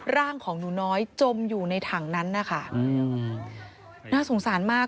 ร่างของหนูน้อยจมอยู่ในถังนั้นนะคะน่าสงสารมาก